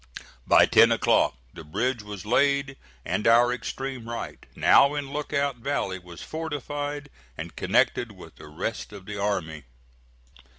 By ten o'clock the bridge was laid, and our extreme right, now in Lookout valley, was fortified and connected with the rest of the army.